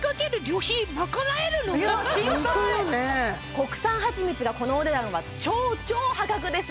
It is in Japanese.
国産はちみつがこのお値段は超超破格です